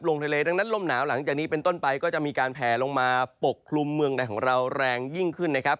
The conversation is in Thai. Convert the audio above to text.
ลงทะเลดังนั้นลมหนาวหลังจากนี้เป็นต้นไปก็จะมีการแผลลงมาปกคลุมเมืองในของเราแรงยิ่งขึ้นนะครับ